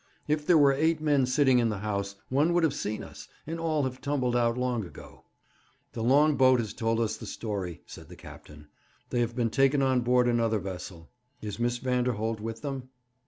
If there were eight men sitting in the house, one would have seen us, and all have tumbled out long ago.' 'The long boat has told us the story,' said the captain. 'They have been taken on board another vessel. Is Miss Vanderholt with them?'